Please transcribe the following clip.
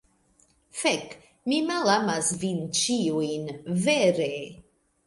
Fek, mi malamas vin ĉiujn! Vere!